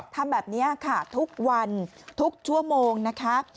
ทำแบบนี้ค่ะทุกวันทุกชั่วโมงนะคะ